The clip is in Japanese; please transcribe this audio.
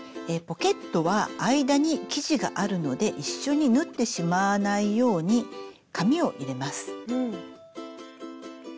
ポケットは間に生地があるので一緒に縫ってしまわないように紙を入れます。